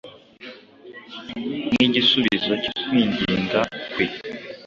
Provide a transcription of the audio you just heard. Nk’igisubizo cyo kwinginga kwe,